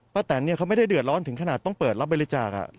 แตนเขาไม่ได้เดือดร้อนถึงขนาดต้องเปิดรับบริจาค